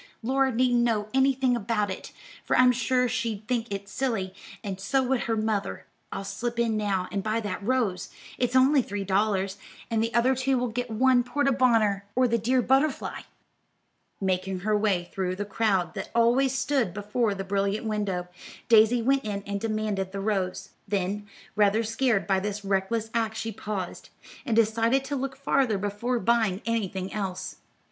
Laura needn't know anything about it, for I'm sure she'd think it silly, and so would her mother. I'll slip in now and buy that rose; it's only three dollars, and the other two will get one porte bonheur, or the dear butterfly." Making her way through the crowd that always stood before the brilliant window, Daisy went in and demanded the rose; then, rather scared by this reckless act she paused, and decided to look farther before buying anything else.